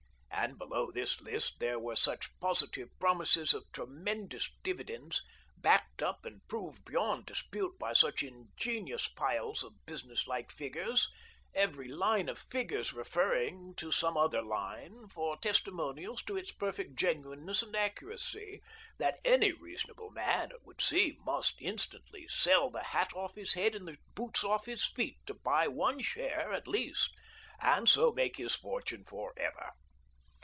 And below this list there were such positive promises of tremendous dividends, backed up and proved beyond dispute by such ingenious piles of business like figures, every line of figures referring to some other line for testimonials to its perfect genuineness and accuracy, that any reasonable man, it would seem, must instantly sell the hat off his head and the boots off his feet to buy one share at least, and so make his fortune for ever.